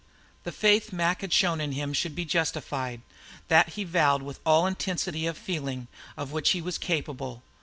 The faith Mac had shown in him should be justified, that he vowed with all the intensity of feeling of which he was capable.